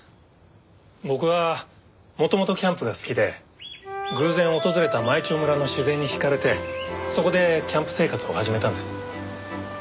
僕は元々キャンプが好きで偶然訪れた舞澄村の自然に引かれてそこでキャンプ生活を始めたんです。